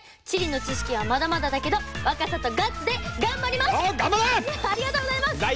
地理の知識はまだまだだけど若さとガッツで頑張ります！